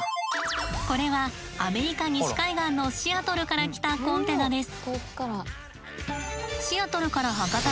これはアメリカ西海岸のシアトルから来たコンテナです。